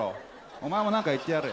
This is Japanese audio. お前も何か言ってやれ。